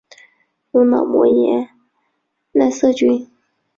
由脑膜炎奈瑟菌。